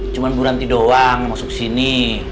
cuma bu ranti doang masuk sini